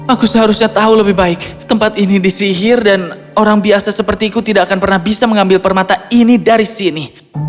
aku seharusnya tahu lebih baik tempat ini disihir dan orang biasa sepertiku tidak akan pernah bisa mengambil permata ini dari sini